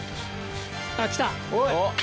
あっ来た。